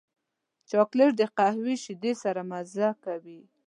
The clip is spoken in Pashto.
چاکلېټ د قهوې شیدو سره مزه کوي.